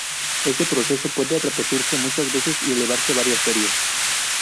Este proceso puede repetirse muchas veces y elevarse varias series.